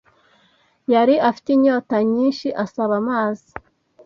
Yari afite inyota nyinshi asaba amazi.